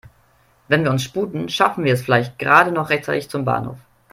Wenn wir uns sputen, schaffen wir es vielleicht gerade noch rechtzeitig zum Bahnhof.